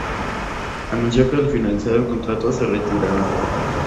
Anunció que al finalizar el contrato se retirará.